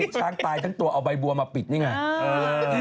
ช้างตายทั้งตัวเอาใบบัวมาปิดนี่ไง